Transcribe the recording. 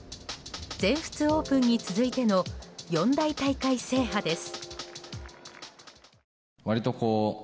全仏オープンに続いての四大大会制覇です。